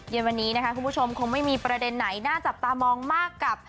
เย็นวันนี้นะคะคุณผู้ชมคงไม่มีประเด็นไหนน่าจับตามองมากกับ